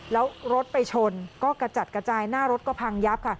แล้วรถไปชนก็กระจัดกระจายหน้ารถก็พังยับค่ะ